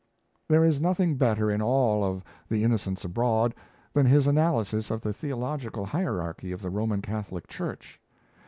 There is nothing better in all of 'The Innocents Abroad' than his analysis of the theological hierarchy of the Roman Catholic Church.